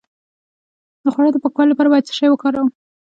د خوړو د پاکوالي لپاره باید څه شی وکاروم؟